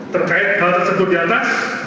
terkait hal tersebut di atas